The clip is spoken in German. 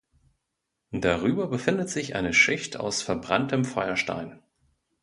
Darüber befindet sich eine Schicht aus verbranntem Feuerstein.